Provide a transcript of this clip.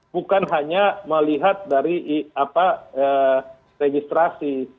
bukan hanya melihat dari registrasi